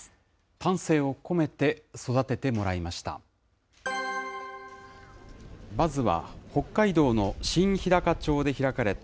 丹精を込めて育ててもらいました。